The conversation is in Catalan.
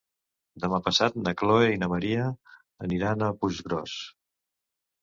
Demà passat na Chloé i na Maria aniran a Puiggròs.